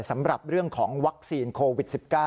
สำหรับเรื่องของวัคซีนโควิด๑๙